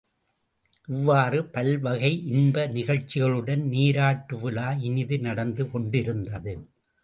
இவ்வாறு பல்வகை இன்ப நிகழ்ச்சிகளுடன் நீராட்டு விழா இனிது நடந்து கொண்டிருந்தது.